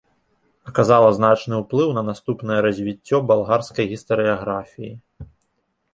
Аказала значны ўплыў на наступнае развіццё балгарскай гістарыяграфіі.